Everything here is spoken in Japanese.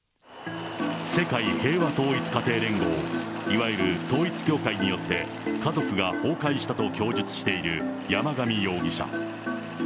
世界平和統一家庭連合、いわゆる統一教会によって、家族が崩壊したと供述している山上容疑者。